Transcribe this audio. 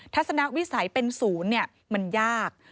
ทัศนวิสัยเป็นศูนย์มันยาก